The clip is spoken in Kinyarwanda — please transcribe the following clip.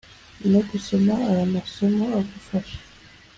no gusoma Aya masomo agufasha